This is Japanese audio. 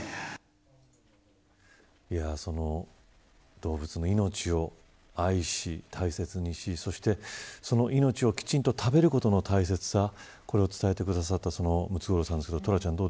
動物の命を愛し大切にしその命をきちんと食べることの大切さこれを伝えてくださったムツゴロウさん。